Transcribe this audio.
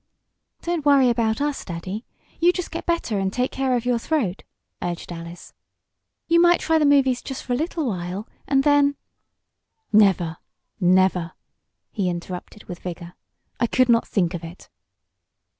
"Don't worry about us, Daddy! You just get better and take care of your throat!" urged Alice. "You might try the movies, just for a little while, and then " "Never! Never!" he interrupted with vigor. "I could not think of it!"